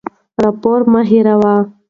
راپور مه هېروه.